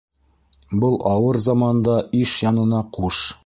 Был ауыр заманда иш янына ҡуш.